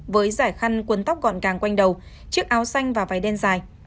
với giải khăn cuốn tóc gọn càng quanh đầu chiếc áo xanh và váy đen dài